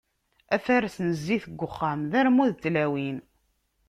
Afares n zzit deg uxxam, d armud n tlawin.